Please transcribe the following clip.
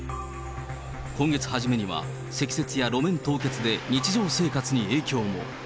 今月初めには、積雪や路面凍結で日常生活に影響も。